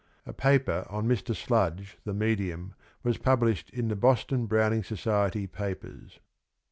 A paper on " Mr. Sludge, the Medium " was published in " The Boston Browning Society Papers."